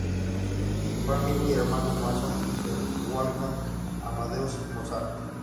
Fue amigo y hermano masón de Wolfgang Amadeus Mozart.